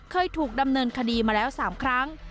เคยถูกดำเนินคดีมาแล้ว๓ครั้ง